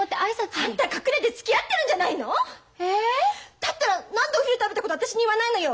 だったら何でお昼食べたこと私に言わないのよ。